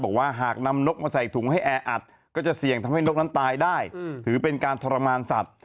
บอกว่าหากนำนกมาใส่ถุงให้แออัดก็จะเสี่ยงทำให้นกนั้นตายได้ถือเป็นการทรมานสัตว์